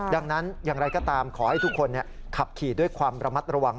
ดังนั้นอย่างไรก็ตามขอให้ทุกคนขับขี่ด้วยความระมัดระวัง